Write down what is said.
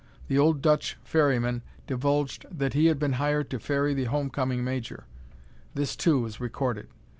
The old Dutch ferryman divulged that he had been hired to ferry the homecoming major; this, too, is recorded.